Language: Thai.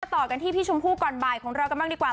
ต่อกันที่พี่ชมพู่ก่อนบ่ายของเรากันบ้างดีกว่า